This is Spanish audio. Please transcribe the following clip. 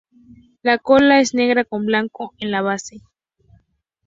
La cola es negra con blanco en la base.